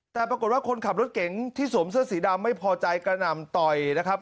แต่ปรากฏว่าคนขับรถเก๋งที่สวมเสื้อสีดำไม่พอใจกระหน่ำต่อยนะครับ